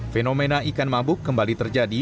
fenomena ikan mabuk kembali terjadi